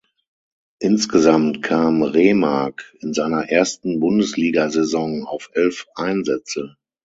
Insgesamt kam Remark in seiner ersten Bundesligasaison auf elf Einsätze.